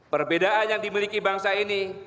perbedaan yang dimiliki bangsa ini